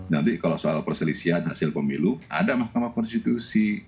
nanti kalau soal perselisihan hasil pemilu ada mahkamah konstitusi